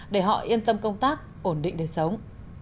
để họ yên tâm công tác ổn định đời sống